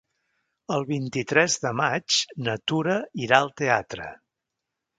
El vint-i-tres de maig na Tura irà al teatre.